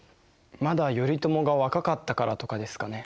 まだ頼朝が若かったからとかですかね。